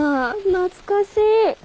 懐かしい。